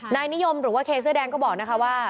นายนิยมหรือว่าเคเสื้อแดงก็บอกนะคะว่า